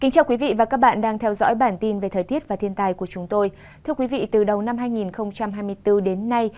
các bạn hãy đăng ký kênh để ủng hộ kênh của chúng tôi nhé